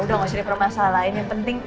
udah gak usirin permasalahan lain